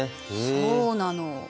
そうなの！